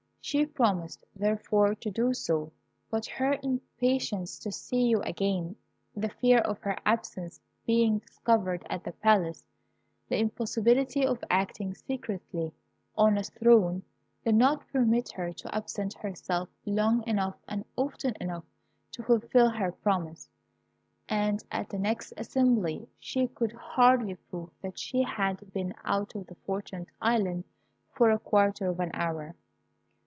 She promised, therefore, to do so; but her impatience to see you again, the fear of her absence being discovered at the Palace, the impossibility of acting secretly on a throne, did not permit her to absent herself long enough and often enough to fulfil her promise; and at the next assembly she could hardly prove that she had been out of the Fortunate Island for a quarter of an hour.